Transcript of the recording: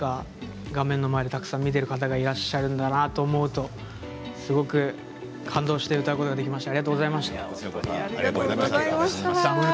画面の前でたくさん見てる方がいらっしゃるんだなと思うとすごく感動して歌うことができました。